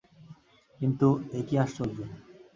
কিন্তু, এ কী আশ্চর্য।